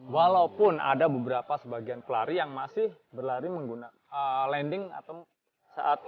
walaupun ada beberapa sebagian pelari yang masih berlari menggunakan landing saat tumpuan menggunakan tumit